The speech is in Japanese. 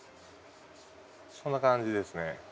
そんな感じですね。